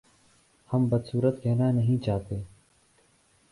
ہم بد صورت کہنا نہیں چاہتے